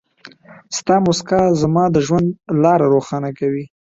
ستا مسکا زما د ژوند لاره روښانه کوي.